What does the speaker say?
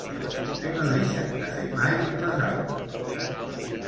Què no deixen de fer mai les aus?